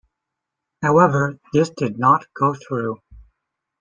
However this did not go through.